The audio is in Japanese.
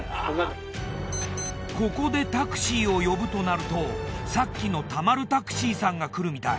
ここでタクシーを呼ぶとなるとさっきの田丸タクシーさんが来るみたい。